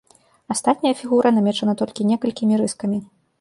Астатняя фігура намечана толькі некалькімі рыскамі.